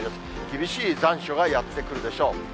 厳しい残暑がやって来るでしょう。